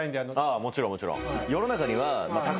あもちろんもちろん。